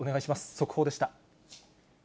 速報でした。